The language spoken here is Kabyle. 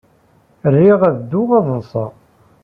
Riɣ ad dduɣ ad ḍḍseɣ.